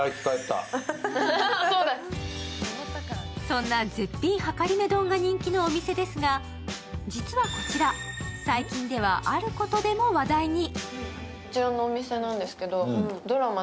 そんな絶品はかりめ丼が人気のお店ですが、実はこちら、最近ではあることでも話題に。